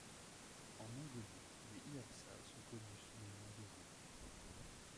En Mongolie, les lhapsa sont connus sous le nom d'ovoo.